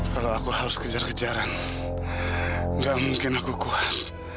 kalau aku harus kejar kejaran nggak mungkin aku kuat